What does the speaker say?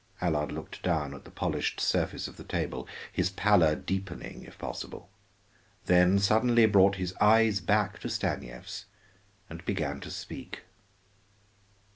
Allard looked down at the polished surface of the table, his pallor deepening if possible, then suddenly brought his eyes back to Stanief's and began to speak.